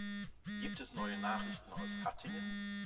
Gibt es neue Nachrichten aus Hattingen?